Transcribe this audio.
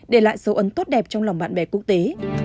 để lại dấu ấn tốt đẹp trong lòng bạn bè quốc tế